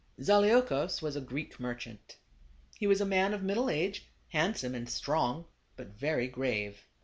Zaleukos was a Greek merchant. He was a man of middle age, handsome and strong, but very grave.